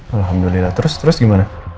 alhamdulillah terus gimana